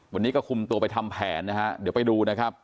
วันนี้ก็คุมตัวไปทำแผนนะฮะเดี๋ยวไปดูนะครับ